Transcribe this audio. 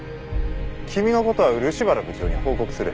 君の事は漆原部長に報告する。